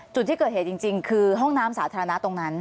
จริงคือห้องน้ำสาธารณะตรงนั้น